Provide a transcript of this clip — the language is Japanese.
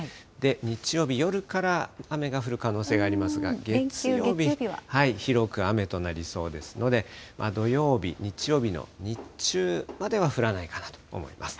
日曜日夜から雨が降る可能性がありますが、月曜日は広く雨となりそうですので、土曜日、日曜日の日中までは降らないかなと思います。